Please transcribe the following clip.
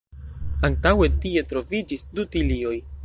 Antaŭe tie troviĝis du tilioj.